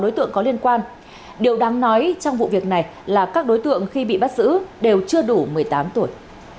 đối tượng có liên quan điều đáng nói trong vụ việc này là các đối tượng khi bị bắt giữ đều chưa đủ một mươi tám tuổi